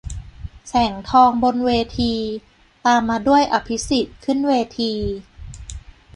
แสงทอง บนเวที - ตามมาด้วย อภิสิทธิ์ ขึ้นเวที